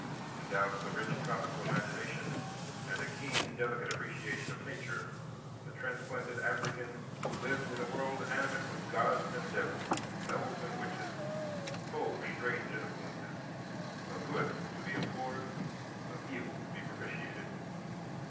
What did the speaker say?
Endowed with a rich tropical imagination and a keen, delicate appreciation of Nature, the transplanted African lived in a world animate with gods and devils, elves and witches; full of strange influences,—of Good to be implored, of Evil to be propitiated.